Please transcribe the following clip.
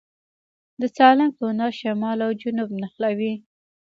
د سالنګ تونل شمال او جنوب نښلوي